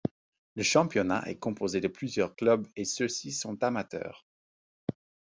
Le championnat est composé de plusieurs clubs et ceux-ci sont amateurs.